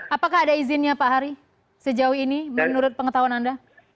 apakah ada izinnya pak hari sejauh ini menurut pengetahuan anda